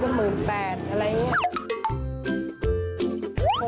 อะไรอย่างนี้